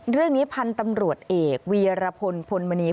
เรื่องนี้พันธุ์ตำรวจเอกวีรพลพลมณี